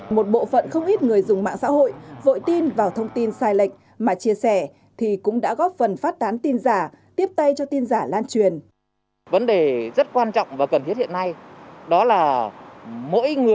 một bộ phận không ít người dùng mạng xã hội vội tin vào thông tin sai lệch mà chia sẻ thì cũng đã góp phần phát tán tin giả tiếp tay cho tin giả lan truyền